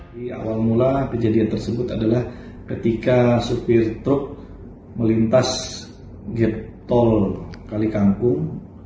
di awal mula kejadian tersebut adalah ketika supir truk melintas gertol kalikangkung